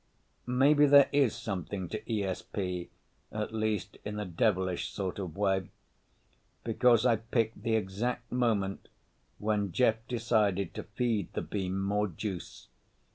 Maybe there is something to ESP—at least in a devilish sort of way—because I picked the exact moment when Jeff decided to feed the beam more juice.